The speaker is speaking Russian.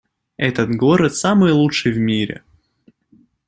Этот город самый лучший в мире!